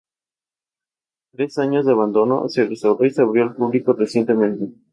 Tras años de abandono, se restauró y abrió al público recientemente.